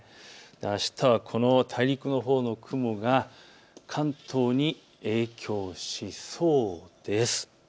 あしたはこの大陸のほうの雲が関東に影響しそうです。